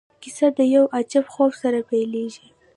کیسه د یو عجیب خوب سره پیلیږي.